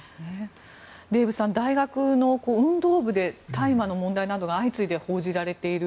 デーブさん大学の運動部で大麻の問題などが相次いで報じられている